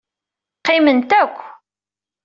Qqiment akk.